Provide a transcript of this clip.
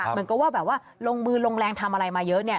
เหมือนกับว่าแบบว่าลงมือลงแรงทำอะไรมาเยอะเนี่ย